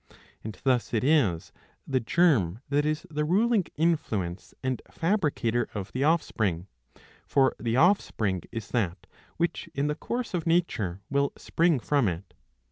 And thus it is the germ that is the ruling influence and fabricator of the offspring ; for the offspring is that which in the course of nature will spring from it.